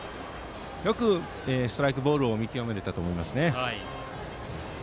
よくストライクボールを見極められたと思います。